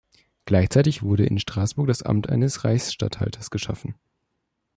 Gleichzeitig wurde in Straßburg das Amt eines Reichsstatthalters geschaffen.